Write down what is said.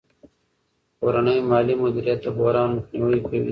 کورنی مالي مدیریت له بحران مخنیوی کوي.